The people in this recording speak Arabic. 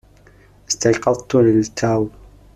استيقظت للتوّ.